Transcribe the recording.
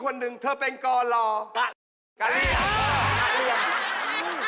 พึ่งลงมาจากดอย